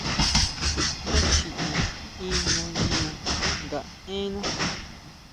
Ndá chiʼi in nanguina nga énná.